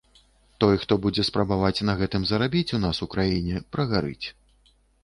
Той, хто будзе спрабаваць на гэтым зарабіць у нас у краіне, прагарыць.